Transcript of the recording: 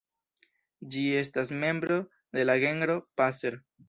Ĝi estas membro de la genro "Passer".